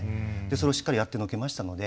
それをしっかりやってのけましたので。